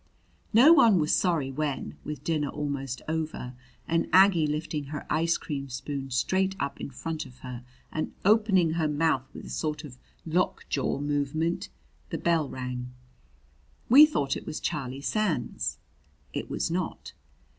No one was sorry when, with dinner almost over, and Aggie lifting her ice cream spoon straight up in front of her and opening her mouth with a sort of lockjaw movement, the bell rang. We thought it was Charlie Sands. It was not.